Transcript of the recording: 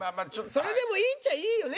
それでもいいっちゃいいよね。